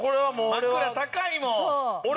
枕高いもん！